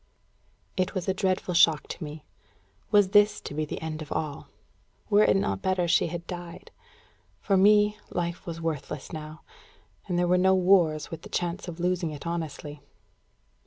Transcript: It was a dreadful shock to me. Was this to be the end of all? Were it not better she had died? For me, life was worthless now. And there were no wars, with the chance of losing it honestly.